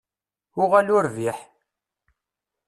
Uɣal urbiḥ!